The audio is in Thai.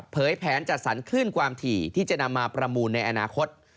แผนจัดสรรคลื่นความถี่ที่จะนำมาประมูลในอนาคต